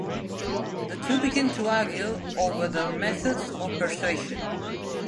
The two begin to argue over their methods of persuasion.